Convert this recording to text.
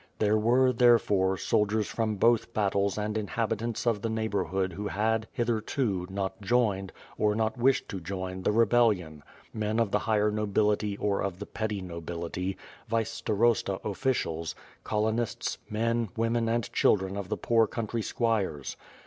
There were, therefore, soldiers from both battles and inhabitants of the neighbor hood who had, hitherto, not joiner!, or not wished to join the rebellion; men of the higher nobility or of the petty WITH FIRE AND SWORD. 201 nobility, vice starosta oflScials, colonists, men, women, and children of the poor country squires.